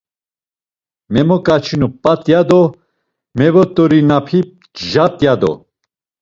Memoǩaçinu p̌at ya do, mevot̆orinapi jat̆ ya do.